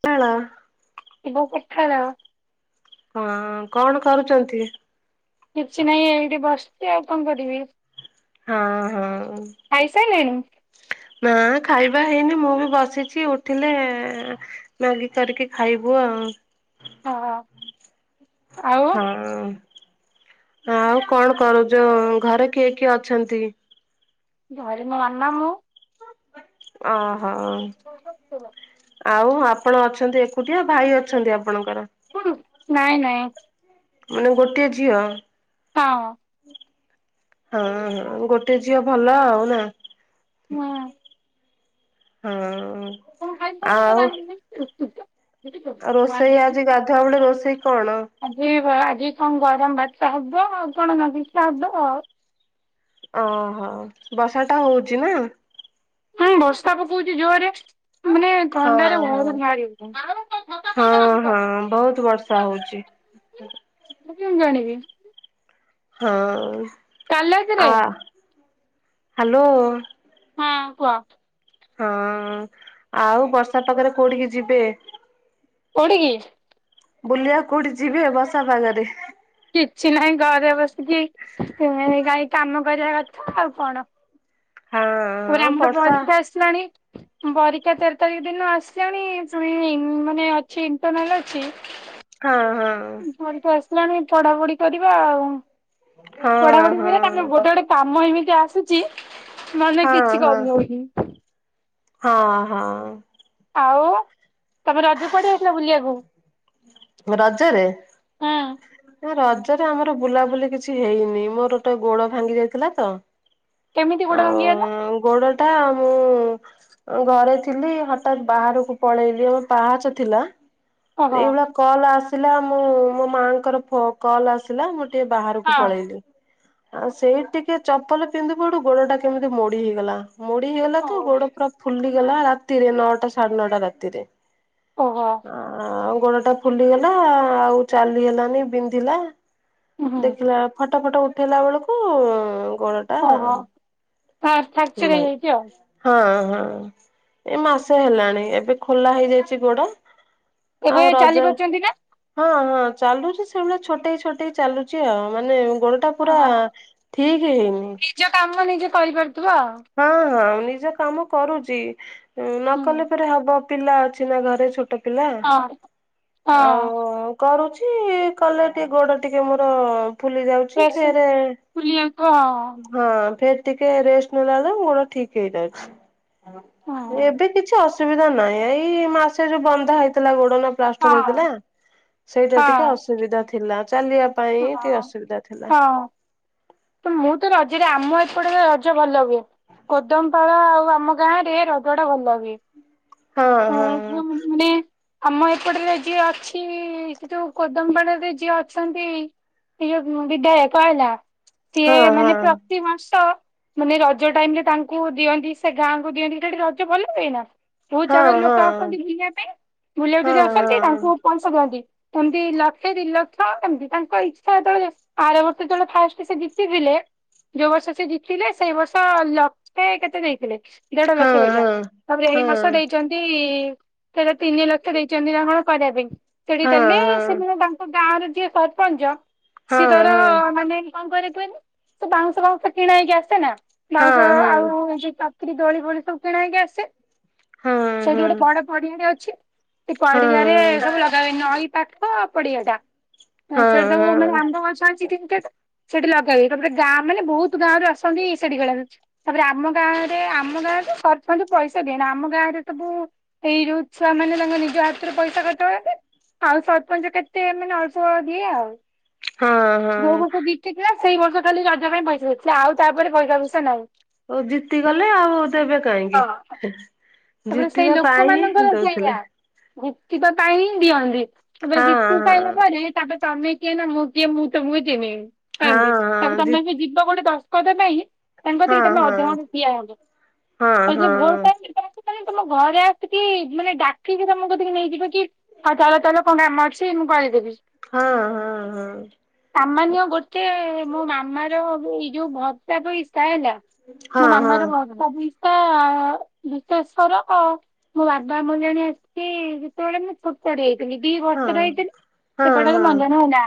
[unintelligible] ଶୁଭ ସଖାଳ। ହଁ କଣ କରୁଚନ୍ତି। କିଛି ନାହିଁ ଏଇଠି ବସିଛି ଆଉ କଁ କରିବି। ହଁ ହଁ। ଖାଇସାରିଲେଣି ନା ଖାଇବା ହେଇନି ମୁଁ ବି ବସିଚି ଉଠିଲେ ମାଗି କରିକି ଖାଇବୁ ଆଉ। [unintelligible] ଆଉ ହଁ। ଉଁ ଆଉ କଣ କରୁ ଯୋଉ ଘରେ କିଏ କିଏ ଅଛନ୍ତି। ଘରେ ମୋ ମାମା ମୁଁ। ଅଁହଁ ଆଉ ଆପଣ ଅଛନ୍ତି ଏ କୁଟିଆ ଭାଇ ଅଛନ୍ତି ଆପଣଙ୍କର। [unintelligible] ନାଇଁ ନାଇଁ। ମାନେ ଗୋଟିଏ ଝିଅ। ହଁ। ହଁ ହଁ ଗୋଟେ ଝିଅ ଭଲ ଆଉ ନା। ହୁଁ ହଁ। [unintelligible] ଆଉ ରୋଷେଇ ଆଜି ଗାଧୁଆ ବୋଳେ ରୋଷେଇ କଣ। ଆଜି ଭ ଆଜି କଁ ଗରମ ଭାତ ହବ ଆଉ କଣ [unintelligible] ଖିଆ ହବ ଆଉ। ଅଁହଁ ବର୍ଷା ଟା ହୋଉଚି ନା। ହୁଁ ବର୍ଷା ପକୋଉଚି ଯୋରେ ମାନେ ହଁ ଥଣ୍ଡାରେ ହଁ ଘରୁ ବାହାରି ହଉନି। ହଁ ହଁ ବୋହୁତ ବର୍ଷା ହୋଉଚି। ମୁଁ କେମି ଜାଣିବି। ହଁ କାଲି ରାତିରେ ଆ ହାଲୋ। ହଁ କୁହ। ହଁ ଆଉ ବର୍ଷା ପାଗରେ କୋଉଠିକି ଯିବେ। କୋଉଠିକି। ବୁଲିବା କୋଉଠି ଯିବେ ବର୍ଷା ପାଗରେ। କିଛି ନାହିଁ ଘରେ ବସିକି [unintelligible] କାମ କରିବା କଥା ଆଉ କଣ। ହଁ। ଫୁଣି ହଁ ଆମର ବର୍ଷା ପରୀକ୍ଷା ଆସିଲାଣି। ପରୀକ୍ଷା ଚାରି ତାରିଖ ଦିନ ଆସିଲାଣି ସୁଣି ମାନେ ଅଛି ଇଣ୍ଟରନାଲ ଅଛି। ହଁ ହଁ। ପରୀକ୍ଷା ଆସିଲାଣି ପଢାପଢି କରିବା ଆଉ ହଁ ପଢାପଢି ହଁ। ହୁଏ ତାପରେ ଗୋଟେ ଗୋଟେ କାମ ଏମିତି ଆସୁଚି ମାନେ ହଁ କିଛି ହଁ କରିହୋଉନି। ହଁ ହଁ। ଆଉ ତମେ ରଜ କୁଆଡେ ଯାଇଥିଲ ବୁଲିବାକୁ। ରଜରେ। ହଁ ନା ରଜରେ ଆମର ବୁଲାବୁଲି କିଛି ହେଇନି ମୋରୋ ଗୋଟେ ଗୋଡୋ ଭାଙ୍ଗି ଯାଇଥିଲା ତ। କେମିତି ଗୋଡ ଭାଙ୍ଗି ଗଲା ଆଉ ଗୋଡୋ ଟା ମୁଁ ଉଁ ଘରେ ଥିଲି ହଠାତ୍ ବାହାରକୁ ପଳେଇଲି ଆମ ପାହାଚ ଥିଲା। ଓହୋ ଏଇଭଳିଆ କଲ୍ ଆସିଲା ମୁଁ ମୋ ମାଆଙ୍କର ଫୋ କଲ୍ ଆସ ସିଲା ମୁଁ ଟିକେ ବାହାରକୁ ହଁ ପଳେଇଲି। ଆଉ ସେଇ ଟିକେ ଚପଲ ପିନ୍ଧିବୁଡୁ ଗୋଡୋ ଟା କେମିତି ମୋଡି ହେଇଗଲା ମୋଡି ହେଇଗଲା ତ ଗୋଡୋ ପୁରା ଫୁଲିଗଲା ରାତିରେ ନଅଟା ସାଢେ ନଅଟା ରାତିରେ। ଓହୋ। ଆଉ ଗୋଡୋ ଟା ଫୁଲିଗଲା ଆଉ ଚାଲିହେଲାନି ବିନ୍ଧିଲା। ହୁଁ ଦେଖିଲା ଫଟ ଫଟ ଉଠେଇଲା ବେଳକୁ, ଗଳ ଓହୋ! ତାର ଫ୍ୟାକ୍ଚର ନାହିଁ। ହେଇଯାଇଛି ଆଉ। ହଁ, ହଁ, ଏଇ ମାସେ ହେଲାଣି। ଏବେ ଖୋଲା ହେଇଯାଇଛି ଗୋଡ। ଏବେ ଆଉ ଚାଲି ରଜ ପାରୁଛନ୍ତି ନା ହଁ, ହଁ ଚାଲୁଛି, ସେଇଭଳିଆ ଛୋଟ ଛୋଟେଇ ଚାଲୁଛି ଆଉ। ମାନେ ଗୋଡ ଟା ପୁରାଁ ହଁ ଠିକ୍ ହେଇନି। ନିଜ କାମ ନିଜେ କରିପାରୁଥିବ-ଅ। ହଁ, ହଁ, ନିଜ କାମ କରୁଛି। ନ ହୁଁ କଲେ ପେରେ ହବ ପିଲା ଅଛି ନା, ଘରେ ଛୋଟ ପିଲା। ହଁ ହଁ। ଆଉ-ଉ କରୁଛି-ଇ, କଲେ ଟି ଗୋଡ ଟିକେ ମୋର ଫୁଲି ଯାଉଛି। ଫେରେ ଫୁଲିଆଉଥିବ ଆଉଁ। ହଁ, ଫେର ଟିକେ ରେଷ୍ଟ ନେଲାରେ, ଗୋଡ ଠିକ୍ ହେଇଯାଉଛି। ହଁ ହଁ। ଏବେ କିଛି ଅସୁବିଧା ନାହିଁ। ଏଇ ମାସେ ଯୋଉ ବନ୍ଧା ହେଇଥିଲା ଗୋଡ ନା ପ୍ଳାଷ୍ଟର ହଁ। ହେଇଥିଲାଁ, ସେଇଟା ଟିକେ ହଁ ଅସୁବିଧା ଥିଲା ଚାଲିଆ ପାଇଁ ଟିକେ ହଁ ଅସୁବିଧା ଥିଲା। ହଁ ମୁଁ ତ ରଜରେ ଆମ ଏପଟରେ ରଜ ଭଲ ହୁଏ। କୋଦମ୍ ପାଳ ଆଉ, ଆମ ଗାଁରେ, ରଜ ଟା ଭଲ ହୁଏ ହଁ ହଁ [unintelligible] ମାନେ ଆମ ଏପଟ ରେ ଯିଏ ଅଛି-ଇ, ସେ ଯୋଉ କୋଦମ୍ ପାଳ ରେ ଯିଏ ଅଛନ୍ତି ସିଏ ବିଧାୟକ ହେଲା। ହଁ ସିଏ ମାନେ ପ୍ରତିିମାସ ମାନେ ରଜ ଟାଇମ୍ ରେ ତାଙ୍କୁ ଦିଅନ୍ତି, ସେ ଗାଁ ଙ୍କୁ ଦିଅନ୍ତି। ସେଇଠି ରଜ ଭଲ ହୁଏ ନା! ହଁ [unintelligible] ହଁ ଲୋକ ହଁ। ଆସନ୍ତି ବୁଲିଆ ପାଇଁ, ବୁଲିବାକୁ ହଁ ଯେ ହଁ ଆସନ୍ତି, ତାଙ୍କୁ ପଇସା ଦିଅନ୍ତି। ଏମିତି ଲକ୍ଷେ ଦି ଲକ୍ଷ ଏମିତି। ତାଙ୍କ, ଇଚ୍ଛା ଯେତେବେଳେ ଯେ ଆରବର୍ଷ ଯେତେବେଳେ ଫାଷ୍ଟ ସେ ଜତିଥିଲେ! ଯୋଉ ବର୍ଷ ସେ ଜିତିଲେ, ସେଇ ବର୍ଷ ଲକ୍ଷେ କେତେ ଦେଇଥିଲେ। ଦେଢ ଲକ୍ଷ ହଁ ବାଗିଆ। ତା'ପରେ ହଁ। ଏଇବଷ ଦେଇଛନ୍ତି-ଇ ସେଇଟା, ତିନି ଲକ୍ଷ ଦେଇଛନ୍ତି ନା କଣ କରିବା ପାଇଁ? ସେଠି ହଁ ହଁ ହଁ ଦେଲେ ସେମାନେ ତାଙ୍କ ଆମ, ଗାଁର ଯିଏ ସରପଞ୍ଚ, ହଁ ସିଏ ହଁ ତାର ମାନେ କଣ କରେ କୁହେନି? ସେ ବାଉଁଶ ଫାଉଁଶ କିଣା ହେଇକି ଆସେନା, ହଁ ବାଉଁଶ ହଁ। ଆଉ [unintelligible] କିରି ଦୋଳି ଫୋଳି ସବୁ କିଣା ହେଇକି ଆସେ। ହଁ ହଁ ହଁ ହଁ ସେଇଠି ହଁ ଗୋଟେ ବଡ ପଡିଆଡ଼େ ଅଛି। ସେ ପଡିଆ ରେ ସବୁ ଲଗା [inaudible] ନଈ ପାଖ୍ ହଁ, ପଡିିଆ ଟା। ହଁ ସେଇଠି ତ ମ-ମାନେ ଆମ୍ବଗଛ ଅଛି ତିନ ଚାର ଟା। ସେଠି ଲଗା ହୁଏ। ତା'ପରେ ଗାଁ ମାନେ ବହୁତ ଗାଁ ରୁ ଆସନ୍ତି, ସେଠି ଖେଳା ହୁଏ। ତା'ପରେ ଆମ ଗାଁରେ, ଆମ ଗାଁରେ ସରପଞ୍ଚ ପଇସା ଦିଏନା। ଆମ ଗାଁ ରେ ସବୁ, ଏଇ ଯୋଉ ଛୁଆ ମାନେ ତାଙ୍କ ନିଜ ହାତରୁ ପଇସା ଖର୍ଚ୍ଚ କରନ୍ତି। ଆଉ ସରପଞ୍ଚ କେତେ! ମାନେ ଅଳ୍ପ ଦିଏ ଆଉ। ହଁ ଯୋଉ ହଁ। ବର୍ଷ ଜି ତି ଥିଲା। ସେଇ ବର୍ଷ ଖାଲି ରଜ ପାଇଁ ପଇସା ଦେଇଥିଲା। ଆଉ, ତା'ପରେ ପଇସା ଫଇସା ନାହିଁ। ଓ, ଜିତିଗଲେ ଆଉ ଦେବେ କାହିଁକି? ହଁ। ତା'ପରେ ସେଇ ଜିତିବା ଲୋକ ପାଇଁ ହିଁ ମାନଙ୍କର ସେଇଆ। ଦଉଥିଲେ। ଜିତିବା ପାଇଁ ହିଁ ଦିଅନ୍ତି। ତା'ପରେ ହଁ ଜିତି ସାଇଲା ହଁ ପରେ, ତା'ପରେ ତମେ କିଏ ନା ମୁଁ କିଏ? ମୁଁ ତୁମକୁ ଚିହ୍ନିନି ଏମିତି। ହଁ ତା'ପରେ ହଁ ଜି ତମେ ବି ଯିବ୍ ତ ଗୋଟେ ଦସ୍ତଖତ ପାଇଁ ତାଙ୍କତିକି ହଁ ତମେ ହଁ ଅଧଘଣ୍ଟେ ଠିଆ ହବ। ଆଉ ହଁ ଯେ ଭଲପାଏନି [inaudible] ମାନେ ତମ ଘରେ ଆସିକି, ମାନେ ଡାକିକି ତମ କତିକି ନେଇଯିବ। କି ହଉ, ଚାଲ ଚାଲ କଣ କାମ ଅଛି ମୁଁ କରେଇଦେବି। ହଁ ହଁ ହଁ। ସାମାନ୍ୟ ଗୋଟେ ମୋ ମାମାର ବି ଏଇ ଯୋଉ ଭତ୍ତା ପଇସା ହେଲା। ହଁ ମୋ ମାମା ହଁ ର ଭତ୍ତା ପଇସା-ଆ ଶେଷର, ଆଉ ମୋ ବାବା ମୁଁ ଜାଣି ଆସିଛି, ଯେତେବେଳେ ମୁଁ ଛୋ ପଡ଼ି ଯାଇଥିଲି ଦି ହଁ ବର୍ଷ ର ହେଇଥିନି। ହଁ ଏ ହଁ ବଡର ମଙ୍ଗନ ହେଲା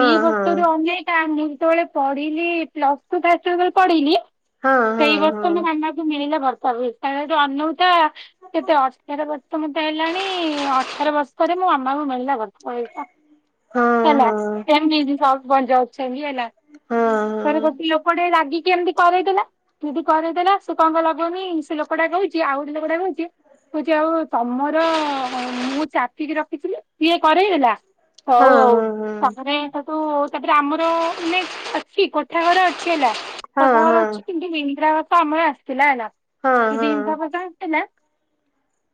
ଦି ବର୍ଷ ରଉନି ତା ମୁନ୍ତବେଳେ ପଢିଲି ପ୍ଲସ ଟୁ ଫାଷ୍ଟଇଅର ଯେତେବେଳେ ପଢିଲି ହଁ ହଁ ହଁ ସେଇ ହଁ ବର୍ଷ ମୋ ହଁ ମାମା କୁ ମିଳିଲା ଭର୍ତ୍ତା ବି ପାଇଲାଠୁ ଅନଉଥା କେତେ ଅଠର ବର୍ଷ ମୋତେ ହେଲାଣି ଅଠର ବର୍ଷରେ ମୋ ମାମାଙ୍କୁ ମିଳିଲା ଭ [inaudible] ହେଲା ହଁ କେମିତି [inaudible] ଚାଲିଗଲା ହଁ ହଁ ହଁ ହଁ ତାପରେ ଗୋଟେ ଲୋକ ଟେ ରାଗିକି ଏମିତି କରେଇଦେଲା। ଦିଦି କରେଇଦେଲା ସେ କଣ କହିଲା କୁହନି ସେ ଲୋକଟା କହୁଚି ଆଉ ଗୋଟେ ଲୋକଟା କହୁଚି କହୁଚି ଆଉ ତମର ମୁଁ ଚାପିକି ରଖିଥିଲି। ସିଏ କରେଇଦେଲା ହଁ ହଁ ହଉ ହଉ ହଁ ତାପରେ ତାକୁ ତାପରେ ଆମର ମାନେ ଅଛି କୋଠା ଘର ଅଛି ହେଲା ହଁ କୋଠା ହଁ ଘର ଅଛି ହଁ କି ଇଦ୍ରାବାସ ଆମର ଆସିଥିଲା ହେଲା। ହଁ କି ହଁ ହଁ ଦିନ୍ତା ହଁ କଥାଆସିଚିନା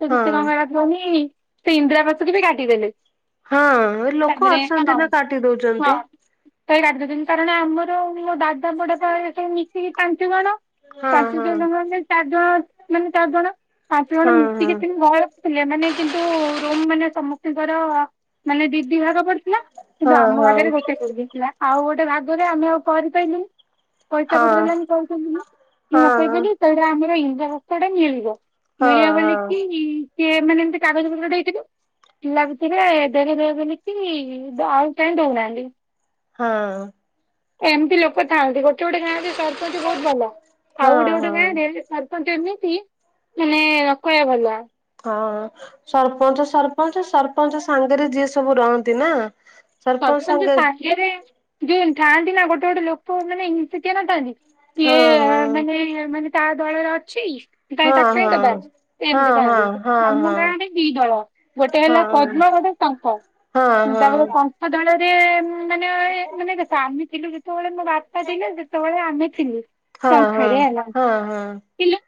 ତୁନତୁର ମାଳ ହଁ ଖାଉନି ସେ ଇନ୍ଦିରା ବାସକୁବି କାଟିଦେଲେ। ହଁ ଏ ଲୋକ ଅଛନ୍ତି ନା କାଟି ଦଉଛନ୍ତି। ସେଇ ରାାଦଛନ୍ତି କାରଣ ଆମର ମୋ ଦାଦା ପଡେବ ମିଶିକି ତାନ୍ତିୁ କଣ ହଁ ପାଞ୍ଚ ହଁ ଜଣଙ୍କ ମାନେ ଚାରି ଜଣ ମାନେ ଚାରି ଜଣ ପାଞ୍ଚ ଜଣ ମିଶିକି ହଁ ସେଇ ଭୟ ଥିଲେ ମାନେ କିନ୍ତୁ ରୁମ ମାନେ ସମସ୍ତଙ୍କର ମାନେ ଦି ଦି ଭାଗ ପଡି ଥିଲା କିନ୍ତୁ ହଁ ଆମ ହଁ ଆଗରେ ଗୋଟେ ଗୋଡ଼ି ଥିଲା ଆଉ ଗୋଟେ ଭାଗରେ ଆମେ ଆଉ କରିପାରିଲୁନି। ପଇତା ହଁ ବଦଳେଇଲାନି କହିପାଇଲିନି ଯେନ୍ତି ନକହି ହଁ ପାଇଲି ତାପରେ ଆମର ଇନ୍ଦ୍ରାବାସ ତେ ମିଳିବ। ହଁ ହଁ ମିଳିବ ବୋଲିକି ହଁ ସିଏ ମାନେ ଅନ୍ତି କାଗଜ ପତ୍ର ଡେଇଥିଲୁ। ପିଲା ଭିତେରେ ଡେରି ହେବି ମିଟି ଆଉ କାଇଁ ଦଉନାହାନ୍ତି। ହଁ। ଏମିତି ଲୋକ ଥାଆନ୍ତି ଗୋଟେ ଗୋଟେ ଗାଁରେ ସରପଞ୍ଚ ବହୁତ ଭଲ ଆଉ ହଁ ଗୋଟେ ଗୋଟେ ହଁ ଗାଁରେ ସରପଞ୍ଚ ଏମିତି ମାନେ ନ କହିବା ଭଲ। ହଁ ସରପଞ୍ଚ ସରପଞ୍ଚ ସରପଞ୍ଚ ସାଙ୍ଗେରେ ଯିଏ ସବୁ ରହନ୍ତି ନା। ସରପଞ୍ଚ ଅଛନ୍ତି ସାଙ୍ଗେ ସାଙ୍ଗେରେ ଯେ ଥାଆନ୍ତି ନା ଗୋଟେ ଗୋଟେ ଲୋକ ମାନେ ଏତି କିଏ ନଥାନ୍ତି? ହଁ। ତା ମାନେ ମାନେ ତା ଦଳରେ ଅଛି କହିଁ ହଁ ତାକୁ କାଇଁ ହଁ ଦବା। ସେ ହଁ। ହଁ ଏମିତିଥାନ୍ତୁ ହଁ ହଁ ଆମ ଗାଁରେ ଦି ଦଳ ଗୋଟେ ହେଲା ହଁ ପଦ୍ମ ଗୋଟେ ଶଙ୍କ। ହଁ ହଁ ତାପରେ ହଁ। ଖଙ୍କଦଳରେ ମାନେ ମାନେ ଦେଖ ଆମେ ଥିଲୁ ଯେତବେଳେ ମୋ ବାପା ଥିଲେ ସେତବେଳେ ଆମେ ଥିଲୁ। ହଁ ହଁ ଶଙ୍ଖରେ ହେଲା ହଁ ହଁ ଥିଲୁ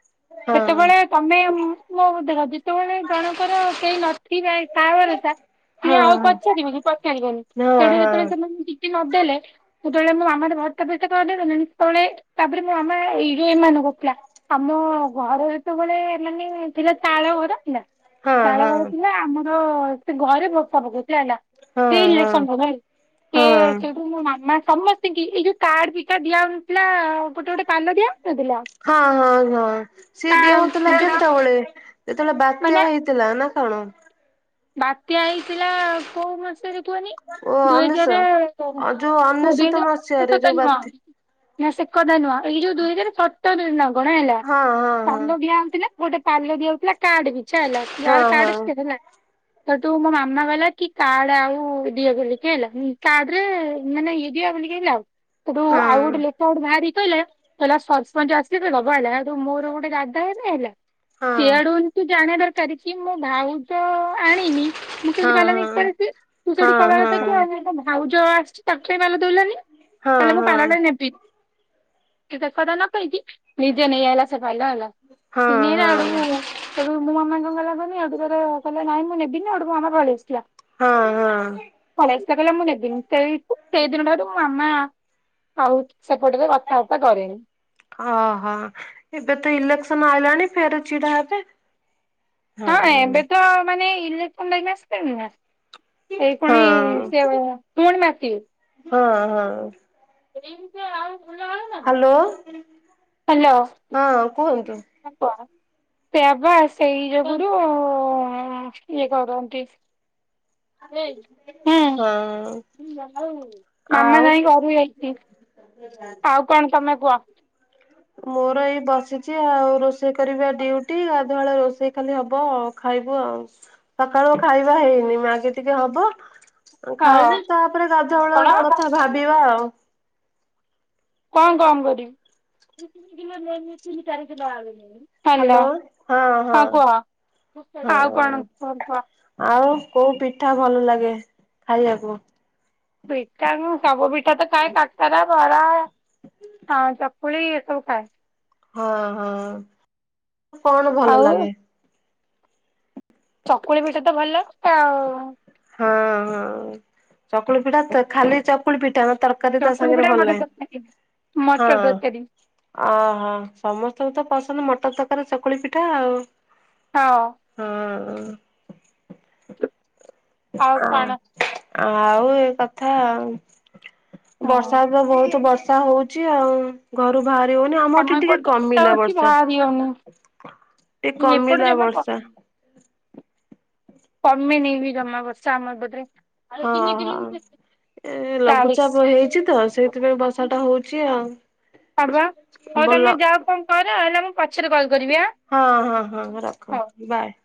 ହଁ। ସେତେବେଳେ ତମେ ମୋ ଧାର ଯେତେବେଳେ ଜଣଙ୍କର କେହି ନଥିବେ ସାହା ଭରସା ସିଏ ହଁ ଆଉ ପଚାରିବକି ପଚାରିବେନି ତେଣୁ ହଁ ହଁ ହଁ ଯେତେବେଳେ ହଁ। ସେମାନେ ଟିକେ ନଦେଲେ ଯେତୋବେଳେ ମୋ ମାମାର ଭତା ପଇତା କରିଦେଲେନି ସେତେବେଳେ ତାପରେ ମୋ ମାମା ଏଇରୁ ଏମାନଙ୍କୁ [unintelligible] ଆମ ଘରେ ଯେତେବେଳେ ମାନେ ଥିଲା ତାଳ ଘର ଥିଲା। ହଁ ହଁ ତାଳଘର ଥିଲା ଆମର ସେ ଘରେ ଭତା ପକେଇଥିଲା ହେଲା ହଁ ସେ [unintelligible] ଭ ସେ ହଁ ସେଠୁ ମୋ ମାମା ସମସ୍ତଙ୍କୁ ଏଇ ଯୋଉ କାର୍ଡ ପିଛା ଦିଆହଉନଥିଲା ହଁ ହଁ ହଁ ସିଏ ଦେହଉଥିଲା କେତେବେଳେ? ଯେତେବେଳେ ବାତ୍ୟା ମାନେ ହେଇଥିଲା ନା କଣ? ବାତ୍ୟା ହେଇଥିଲା କୋଉ ମସିହାରେ କୁଅନି? ଓ ଦୁଇ ଅନେଶ ହଜାରେ ଯୋଉ ଦୁଇ ଅନେଶତ ହଜାର ମସିହାରେ ଅନେଶତ ଯୋଉ ନୁଅଁ। ବାତ୍ୟା ନା ସେ କଥାା ନୁଅଁଏଇ ଯୋଉ ଦୁଇ ହଜାର ସତରରେ ନା କଣ ହେଲା ହଁ ସାନ ଭିଆ ଆଣିଥିଲା। ଗୋଟେ ପାଲ ଦିଆହଉଥିଲା କାର୍ଡ ପିଛା ହେଲା ହଁ ଯହାର କାର୍ଡ ହଁ [unintelligible] ହେଟୁ ମୋ ମାମା କହିଲା କି କାର୍ଡ ଆଉ ଡ଼ିଅ ବୋଲିକି ହେଲା କାର୍ଡ ରେ ମାନେ ଇଏ ଦିଅ ବୋଲି କି ଲାଉ ହେଟୁ ହଁ ଆଉ ଗୋଟେ ଲେଟା ହେଟୁ ବାହାରିକି କହିଲେ କହିଲା ସରସ୍ପେଣ୍ଟ ଆସିଲେ ଗଭ ହେଲା ହେଟୁ ମୋର ଗୋଟେ ଦାଦା ହେଲେ ହେଲା ସିଆଡୁ ହଁ ତୁ ଜାଣିବା ଦରକାର କି ମୁଁ ଭାଉଜ ଆଣିନି। ମୁଁ କେନ୍ତି ପାଲ ନେଇକି ପଳେଇବି ତୁ ସେଇଠି ହଁ ହଁ ହଁ ହଁ [unintelligible] ଭାଉଜ ଆସିଚି ତାକୁ କାଇଁ ପାଲ ଦଉଲନି ହଁ ତାହେଲେ ହଁ ମୁଁ ପାଲଟା ନେବି ସେ କଥା ନ କହି କି ନିଜେ ନେଇଆଲା ସେ ପାଇଲା ହେଲା ହଁ ହଁ କି ନେଇଆଇଲା ହଁ ହେଟୁ ମୁଁ ହେଟୁ ମୋ ମାମା କଣ କଲା କଣ ଆଉ ତ ନାଇଁ ମୁଁ ନେବିନି ଆଉ ମାମା ପଳେଇ ଆସିିଥିଲା। ହଁ ହଁ। କୁ ନେବିନି ସେଇ ଦିନ ଠାରୁ ମଁ ମାମା ଆଉ ସେପଟ କାଉଟା କରେ। ଓହୋ ଏବେ ତ ଇଲେକ୍ସନ ଆଇଲାଣି ଫେର ଛିଡା ହେବେ। ହଁ ଏବେ ତ ମାନେ ଇଲେସ୍କନ ଆସିଲାଣି ନା। ଏଇ ହଁ କଣି ସେ ପୁଣି ମାଟି। ହଁ ହଁ। ରିଟୋ ଆଉ ହ୍ୟାଲୋ ହଁ କୁହନ୍ତୁ। କଣ ସେଆବା ସେଇ ଯୋଗୁୁରୁ ହଁ ଇଏ କରନ୍ତି ହେ ହୁଁ। ହଁ ମାମା ନାଇଁ ଘରୁକୁ ଯାଇଛି। ଏ ମାଆ। ଆଉ କଣ ତମେ କୁହ? ମୋର ଏଇ ବସିଛି ଆଉ ରୋଷେଇ କରିବା ଡିଉଟି ଗାଧୁଆବେଳେ ରୋଷେଇ ଖାଲି ହବ ଆଉ। ଖାଇବୁଆଉ ସକାଳୁ ଖାଇବା ହେଇନି ମ୍ୟାଗି ଟିକେ ହବ। ହଁ ଖାଇବୁ ତାପରେ ଗାଧୁଆବେଳ କଣ କଥା ଭାବିବା ଆଉ। କଣ କଣ କରିବି ଦୁଇତିନି କିଲୋ ନେଇକି ତିନି ଚାରି କିଲୋ ଆଳୁ ନେଲି। ହାଲୋ ହଁ କୁହ ଆଉ କଣ ହଁ। କୁହ। ଆଉ କୋଉ ପିଠା ଭଲ ଲାଗେ ଖାଇବାକୁ। ପିଠା ମୁଁ ସବୁ ପିଠା ତ ଖାଏ କାକରା। ବାରା ହଁ ଚକୁଳି ଏସବୁ ଖାଏ। ହଁ ହଁ କଣ ଭଲ ଆଉ ଲାଗେ? ଚକୁଳି ପିଠାତ ଭଲଲାଗେ ଆଉ। ହଁ ହଁ ଚକୁଳି ପିଠା ତ ଖାଲି ଚକୁଳି ପିଠା ନା ତର କାରି ଚକୁଳି ତାସାଙ୍ଗରେ ପିଠା ଭଲ ମଟର ଲାଗେ ତରକାରୀ। ହଁ। ମଟର ତରକାରୀ ଓହୋ ସମସ୍ତଙ୍କୁ ତ ପସନ୍ଦ ମଟରତରକାରୀ ଚକୁଳିପିଠା ଆଉ। ଆଉ ହଁ। ଆଉ ଆଁ କଣ ଆଉ ଏ କଥା ଆଉ। ହଁ ବର୍ଷା ତ ବହୁତ ବର୍ଷା ହଉଛି ଆଉ। ଘରୁ ଭାହାରି ହଉନି ଆମର ଏଠି ଆମ ଟିକେ ଏପଟେ ତ କମିଲା ହଉଛି ବର୍ଷା। ବାହାରି ହଉନି। ଟିକେ ଏପଟେ କମିଲା ଜମା ବର୍ଷା। କମିନି। କମିନି ବି ଜମା ବର୍ଷା ଆମ ଏପଟେ। ହଁ ହଁ ଏ ଚାଳିଶ। ଲଘୁଚାପ ହେଇଛି ତ ସେଇଥିପାଇଁ ବର୍ଷା ଟା ହଉଛି ଆଉ। ଆଢୁଆ ହଉ ତୁମେ ବୋଲ ଯାଅ କଣ କର ଆସିଲେ ମୁଁ ପଛରେ କଲ୍ କରିବି। ଆଁ। ହଁ ହଁ ହଁ ରଖ ହଉ। ବାଏ।